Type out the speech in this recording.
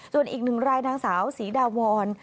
ส่วนอีกหนึ่งรายนางสาวศรีดาวร